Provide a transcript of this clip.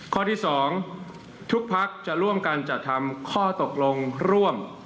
ข้อที่๒ทุกพักจะร่วมกันจัดทำข้อตกลงร่วม